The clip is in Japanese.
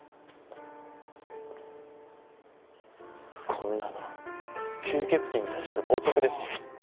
こんなの吸血鬼に対する冒ですよ。